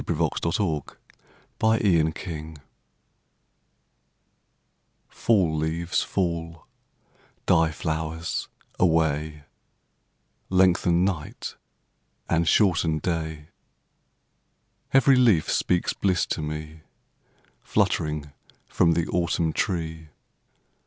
2 8o POEMS OF EMILY BRONTE XXXVIII FALL, leaves, fall ; die, flowers, away ; Lengthen night and shorten day ; Every leaf speaks bliss to me, Fluttering from the autumn tree.